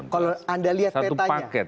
kalau anda lihat petanya